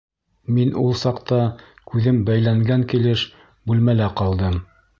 Мин ул саҡта күҙем бәйләнгән килеш бүлмәлә ҡалдым.